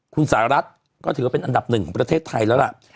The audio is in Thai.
คุณสหรัฐก็ถือว่าเป็นอันดับหนึ่งของประเทศไทยแล้วล่ะ